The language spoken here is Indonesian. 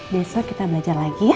masa masa kita belajar lagi ya